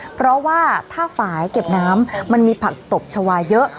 เพราะว่าถ้าฝ่ายเก็บน้ำมันมีผักตบชาวาเยอะ